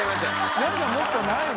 なんかもっとないの？